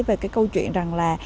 về cái câu chuyện rằng là